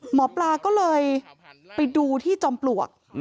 หมอปลาก็เลยไปดูที่จอมปลวก